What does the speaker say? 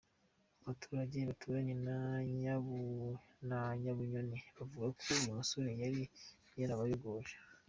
Abaturage baturanye na Nyabunyoni bavuga ko uyu musore yari yarabayogoje.